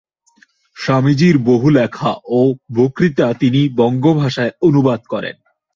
স্বামীজীর বহু লেখা ও বক্তৃতা তিনি বঙ্গভাষায় অনুবাদ করেন।